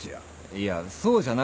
いやそうじゃなくて。